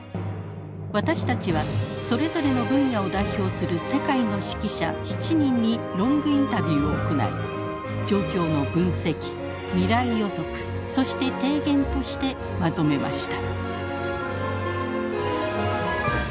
私たちはそれぞれの分野を代表する世界の識者７人にロングインタビューを行い状況の分析未来予測そして提言としてまとめました。